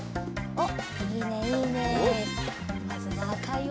おっ！